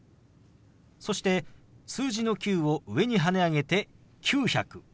そして数字の「９」を上にはね上げて「９００」。